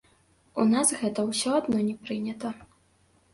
У нас гэта ўсё адно не прынята.